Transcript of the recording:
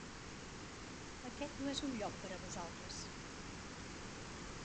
Aquest no és un lloc per a vosaltres.